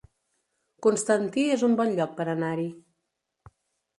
Constantí es un bon lloc per anar-hi